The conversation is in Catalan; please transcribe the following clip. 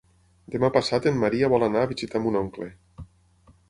Demà passat en Maria vol anar a visitar mon oncle.